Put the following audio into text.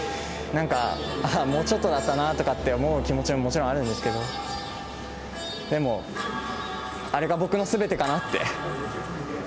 なんか、もうちょっとだったなって思う気持ちももちろんあるんですけど、でも、あれが僕のすべてかなって。